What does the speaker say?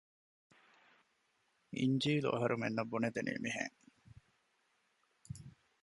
އިންޖީލު އަހަރުމެންނަށް ބުނެދެނީ މިހެން